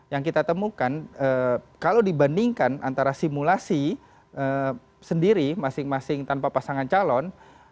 yang kita temukan kalau dibandingkan antara simulasi sendiri masing masing tanpa pasangan calon